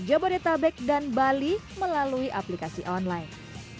jabodetabek dan bali melalui aplikasi online